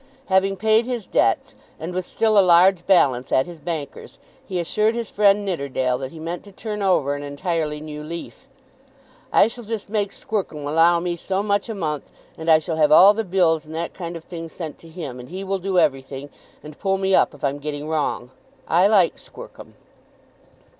Having paid his debts, and with still a large balance at his bankers', he assured his friend Nidderdale that he meant to turn over an entirely new leaf. "I shall just make Squercum allow me so much a month, and I shall have all the bills and that kind of thing sent to him, and he will do everything, and pull me up if I'm getting wrong. I like Squercum."